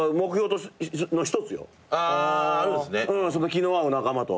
気の合う仲間と。